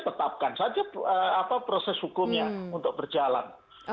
tetapkan saja proses hukumnya untuk berjalan